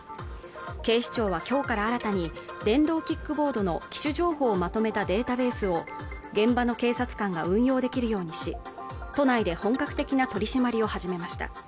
警視庁はきょうから新たに電動キックボードの機種情報をまとめたデータベースを現場の警察官が運用できるようにし都内で本格的な取締りを始めました